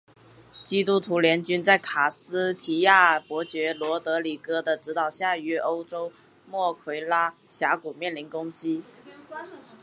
基督徒联军在卡斯提亚伯爵罗德里哥的指挥下于欧斯莫奎拉峡谷面临攻击。